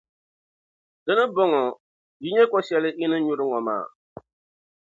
Di ni bɔŋɔ, yi nya ko’ shεli yi ni nyuri ŋɔ maa?